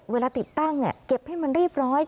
เวลาติดตั้งเนี่ยเก็บให้มันเรียบร้อย